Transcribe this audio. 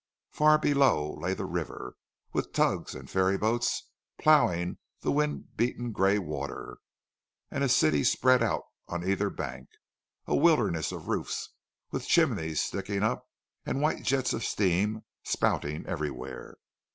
Far below lay the river, with tugs and ferry boats ploughing the wind beaten grey water, and a city spread out on either bank—a wilderness of roofs, with chimneys sticking up and white jets of steam spouting everywhere.